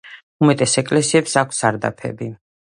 უმეტეს ეკლესიებს აქვს სარდაფები.